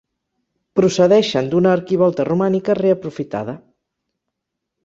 Procedeixen d'una arquivolta romànica reaprofitada.